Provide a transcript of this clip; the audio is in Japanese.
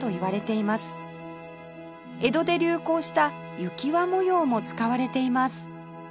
江戸で流行した雪輪模様も使われています